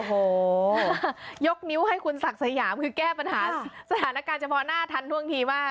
โอ้โหยกนิ้วให้คุณศักดิ์สยามคือแก้ปัญหาสถานการณ์เฉพาะหน้าทันท่วงทีมาก